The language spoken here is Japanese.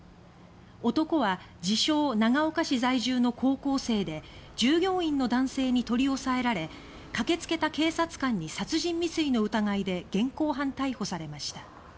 男は自称・長岡市在住の高校生で従業員の男性に取り押さえられ駆けつけた警察官に殺人未遂の疑いで現行犯逮捕されました。